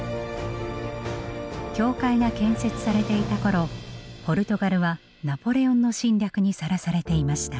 教会が建設されていたころポルトガルはナポレオンの侵略にさらされていました。